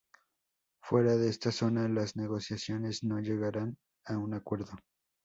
Fuera de esta zona, las negociaciones no llegarán a un acuerdo.